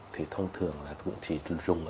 thì thông thường là chúng ta chỉ dùng